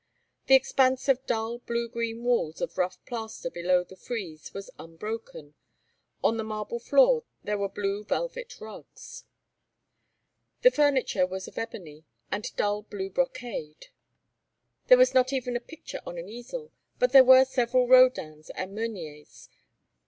The expanse of dull green blue walls of rough plaster below the frieze was unbroken; on the marble floor there were blue velvet rugs. The furniture was of ebony and dull blue brocade. There was not even a picture on an easel, but there were several Rodins and Meuniers.